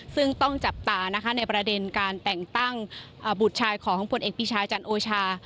ซึ่งต้องจับตานะคะในประเด็นการแต่งตั้งบุตรชายของผลเอกปีชาจันโอชา